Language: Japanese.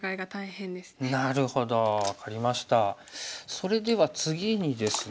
それでは次にですね